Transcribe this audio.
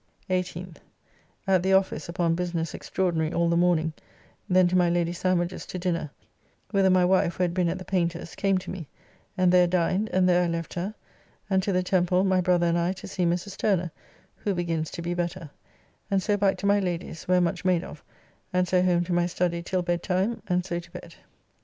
18th. At the office upon business extraordinary all the morning, then to my Lady Sandwich's to dinner, whither my wife, who had been at the painter's, came to me, and there dined, and there I left her, and to the Temple my brother and I to see Mrs. Turner, who begins to be better, and so back to my Lady's, where much made of, and so home to my study till bed time, and so to bed.